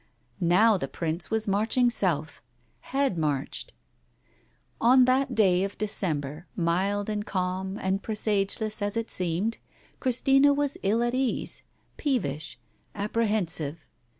Now the Prince was marching south ... had marched. ... On that day of December, mild and calm and presage less as it seemed, Christina was ill at ease, peevish, apprehensive.